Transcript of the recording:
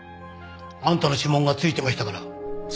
あんたの指紋がついてましたから。